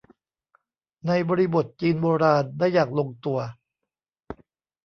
ในบริบทจีนโบราณ ได้อย่างลงตัว